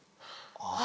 ああ。